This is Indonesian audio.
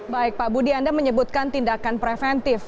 baik pak budi anda menyebutkan tindakan preventif